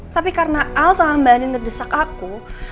tapi karena al sama mbak anin ngedesak aku